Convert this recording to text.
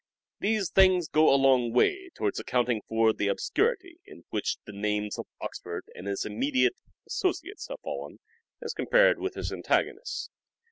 These things go a long way towards accounting for the obscurity into which the names of Oxford and his immediate associates have fallen as compared with his antagonists.